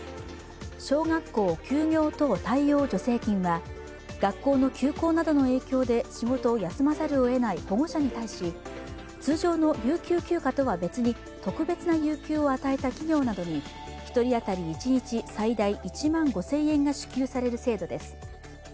小学休業等対応助成金は学校の休校などの影響で仕事を休まざるを得ない保護者に対し通常の有給休暇とは別に特別な休暇を与えた企業などを対象に１人当たり一日最大１万５０００円が支給される制度です。